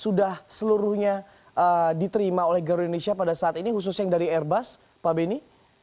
sudah seluruhnya diterima oleh garuda indonesia pada saat ini khusus yang dari airbus pak beni